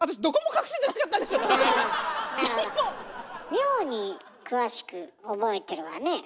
妙に詳しく覚えてるわね。